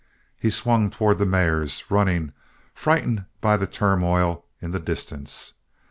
He swung towards the mares, running, frightened by the turmoil, in the distance.